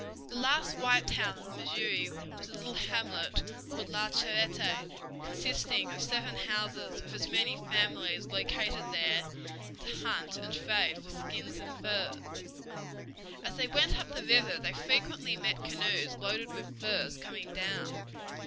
The last white town on the Missouri was a little hamlet called La Charrette, consisting of seven houses, with as many families located there to hunt and trade for skins and furs. As they went up the river they frequently met canoes loaded with furs coming down.